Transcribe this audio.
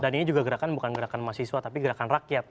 dan ini juga gerakan bukan gerakan mahasiswa tapi gerakan rakyat